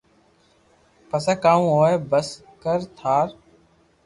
پسي ڪاوُ ھوئي بس ڪر ٽار